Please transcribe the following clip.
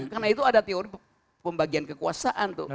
karena itu ada teori pembagian kekuasaan